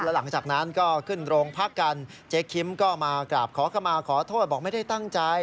หลังจากนั้นก็ขึ้นโรงพักกันเจ๊คิมก็มากราบขอเข้ามาขอโทษบอกไม่ได้ตั้งใจ